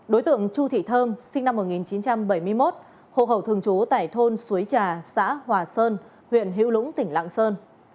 đối tượng chu thị thơm sinh năm một nghìn chín trăm bảy mươi một hộ khẩu thường trú tại thôn suối trà xã hòa sơn huyện hữu lũng tỉnh lạng sơn